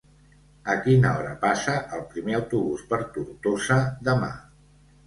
A quina hora passa el primer autobús per Tortosa demà?